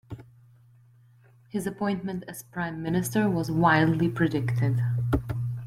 His appointment as prime minister was widely predicted.